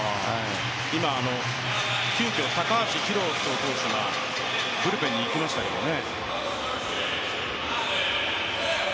今、急きょ、高橋宏斗投手がブルペンに行きましたけどね。